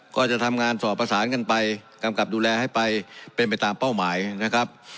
ก็จะทำงานสอบประสานกันไปกำกับดูแลให้ไปเป็นไปตามเป้าหมายนะครับ